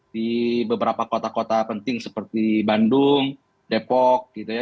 di beberapa kota kota penting seperti bandung depok gitu ya